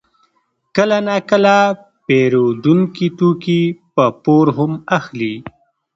کله ناکله پېرودونکي توکي په پور هم اخلي